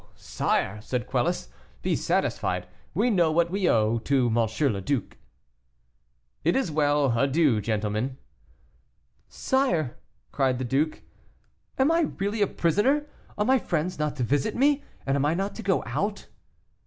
sire," said Quelus, "be satisfied; we know what we owe to M. le Duc." "It is well; adieu, gentlemen." "Sire," cried the duke, "am I really a prisoner, are my friends not to visit me, and am I not to go out?"